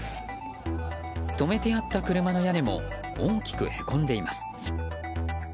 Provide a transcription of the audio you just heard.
止めてあった車の屋根も大きくへこんでいます。